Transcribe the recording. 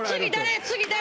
「次誰？」